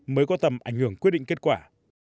mới có tầm ảnh hưởng quyết định kết quả